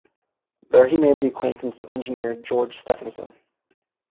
There he made the acquaintance of engineer George Stephenson.